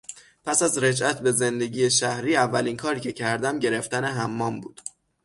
پس از رجعت به زندگی شهری اولین کاری که کردم گرفتن حمام بود.